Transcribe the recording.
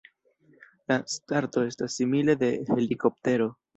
La starto estas simile de helikoptero.